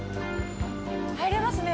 入れますね。